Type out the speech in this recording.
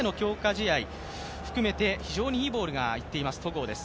試合含めて非常にいいボールがいっています戸郷です。